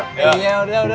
udah udah udah